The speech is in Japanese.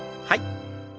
はい。